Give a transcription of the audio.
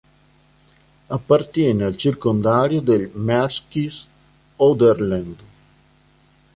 Appartiene al circondario del Märkisch-Oderland.